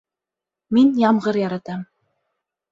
Мин ямғыр яратам